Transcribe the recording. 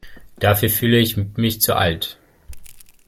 Dafür fühle ich mich zu alt.